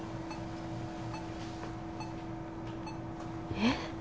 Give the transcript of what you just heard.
えっ？